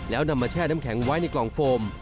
แล้วนำมาแช่น้ำแข็งไว้ในกล่องโฟม